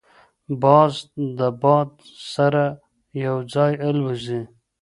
باز د باد سره یو ځای الوزي